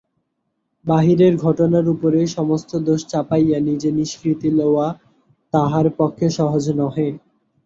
বাহিরের ঘটনার উপরেই সমস্ত দোষ চাপাইয়া নিজে নিষ্কৃতি লওয়া তাহার পক্ষে সহজ নহে।